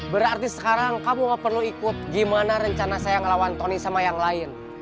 berarti sekarang kamu gak perlu ikut gimana rencana saya ngelawan tony sama yang lain